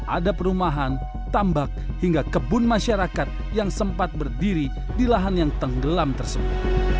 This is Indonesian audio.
ada perumahan tambak hingga kebun masyarakat yang sempat berdiri di lahan yang tenggelam tersebut